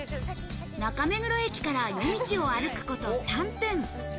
中目黒駅から夜道を歩くこと３分。